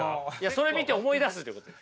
それ見て思い出すってことです。